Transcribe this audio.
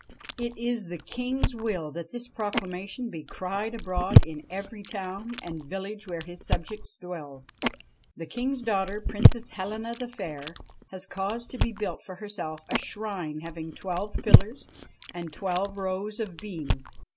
It is the King's will that this proclamation be cried abroad in every town and village where his subjects dwell. The King's daughter, Princess Helena the Fair, has caused to be built for herself a shrine having twelve pillars and twelve rows of beams.